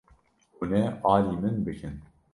Hûn ê alî min bikin.